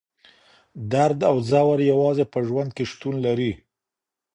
درد او ځور یوازې په ژوند کي شتون لري.